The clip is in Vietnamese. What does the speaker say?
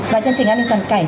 và chương trình an ninh cần cảnh